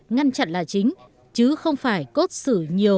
ngăn chặn là chính chứ không phải cốt xử nhiều